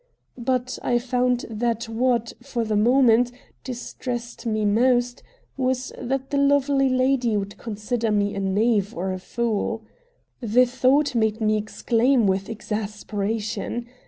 But I found that what, for the moment, distressed me most was that the lovely lady would consider me a knave or a fool. The thought made me exclaim with exasperation.